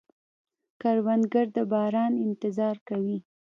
کروندګر د باران انتظار کوي